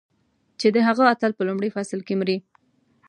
چې د هغه اتل په لومړي فصل کې مري.